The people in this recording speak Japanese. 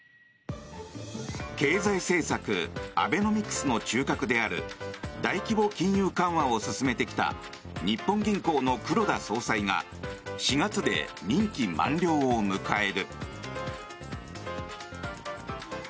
経済政策アベノミクスの中核である大規模金融緩和を進めてきた日本銀行の黒田総裁が４月で任期満了を迎える。